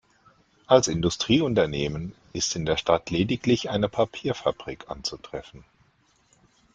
Als Industrieunternehmen ist in der Stadt lediglich eine Papierfabrik anzutreffen.